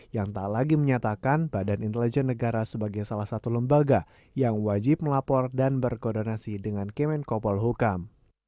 yang tak lagi menyatakan badan intelijen negara sebagai salah satu lembaga yang wajib melapor dan berkoordinasi dengan kemenkopol hukam